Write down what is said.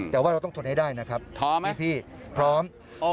แต่ว่าเราต้องทนให้ได้นะครับพี่พี่พร้อมท้อไหม